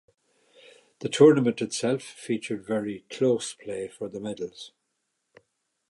The tournament itself featured very close play for the medals.